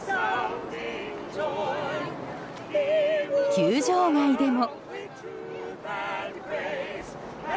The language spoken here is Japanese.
球場外でも。